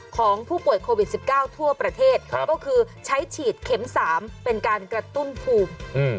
ของผู้ป่วยโควิด๑๙ทั่วประเทศก็คือใช้ฉีดเข็ม๓เป็นการกระตุ้นภูมิ